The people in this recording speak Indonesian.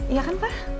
iya kan pak